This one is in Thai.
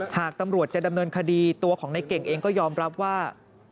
หากตำรวจจะดำเนินคดีตัวของในเก่งเองก็ยอมรับว่า